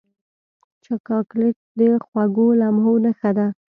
چاکلېټ د خوږو لمحو نښه ده.